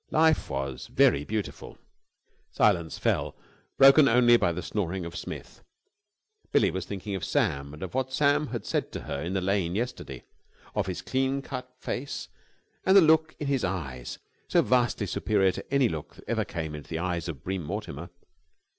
Life was very beautiful. Silence fell, broken only by the snoring of Smith. Billie was thinking of Sam, and of what Sam had said to her in the lane yesterday; of his clean cut face, and the look in his eyes so vastly superior to any look that ever came into the eyes of Bream Mortimer.